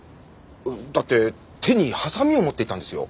だって手にハサミを持っていたんですよ。